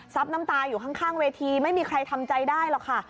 น้ำตาอยู่ข้างเวทีไม่มีใครทำใจได้หรอกค่ะ